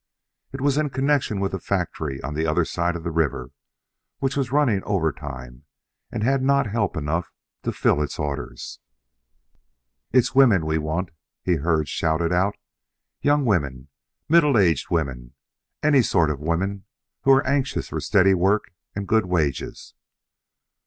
It was in connection with a factory on the other side of the river, which was running overtime, and had not help enough to fill its orders. "It's women we want," he heard shouted out. "Young women, middle aged women, any sort of women who are anxious for steady work and good wages."